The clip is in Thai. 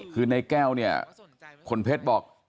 คือในแก้วเนี่ยขนเพชรบอก